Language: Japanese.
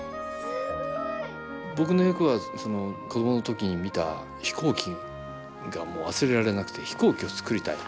僕の役はその子供の時に見た飛行機が忘れられなくて飛行機を作りたい。